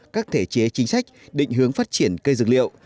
các thể chế chính sách định hướng phát triển cây dược liệu